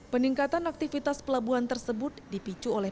peningkatan aktivitas pelabuhan tersebut dipicu oleh